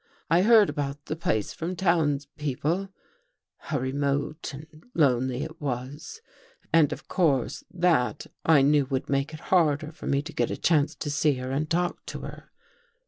I heard about the place from townspeople — how remote and lonely it was, and of course that I knew would make it harder for me to get a chance to see her and talk to her.